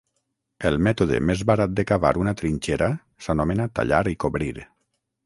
El mètode més barat de cavar una trinxera s'anomena tallar i cobrir.